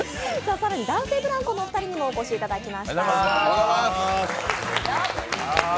更に男性ブランコのお二人にもお越しいただきました。